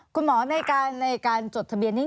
คุณหมอในการจดทะเบียนนี้